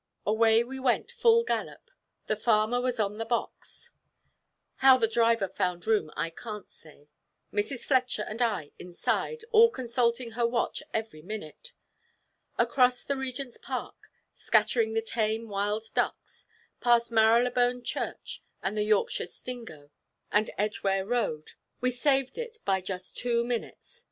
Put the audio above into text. Away we went full gallop; the farmer was on the box, how the driver found room I can't say, Mrs. Fletcher and I inside, all consulting her watch every minute. Across the Regent's Park, scattering the tame wild ducks, past Marylebone Church, and the Yorkshire Stingo, and Edgware Road we saved it by just two minutes.